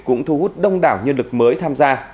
cũng thu hút đông đảo nhân lực mới tham gia